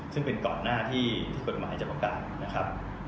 ซึ่งเป็นก่อนหน้าที่กฎหมายจะประกาศนะครับ